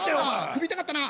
首痛かったな。